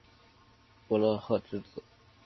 傅勒赫之子。